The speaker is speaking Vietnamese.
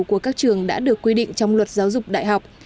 của các trường đã được quy định trong luật giáo dục đại học